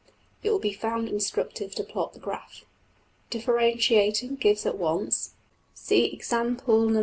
(It will be found instructive to plot the graph.) Differentiating gives at once (see example No.